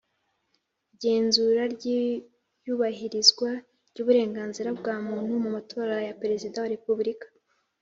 Igenzura ry’ iyubahirizwa ry’ uburenganzira bwa muntu mu matora ya Perezida wa Repubulika